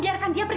tak ada jelas